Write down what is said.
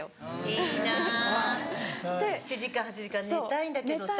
いいな７時間８時間寝たいんだけどさ